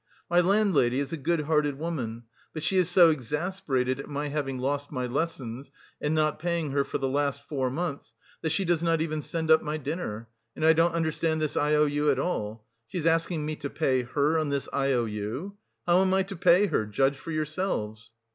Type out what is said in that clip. My landlady is a good hearted woman, but she is so exasperated at my having lost my lessons, and not paying her for the last four months, that she does not even send up my dinner... and I don't understand this I O U at all. She is asking me to pay her on this I O U. How am I to pay her? Judge for yourselves!..."